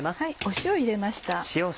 塩を入れました。